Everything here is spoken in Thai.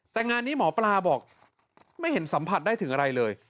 แต่งานนี้หมอปลาบอกไม่เห็นสัมผัสได้ถึงอะไรเลย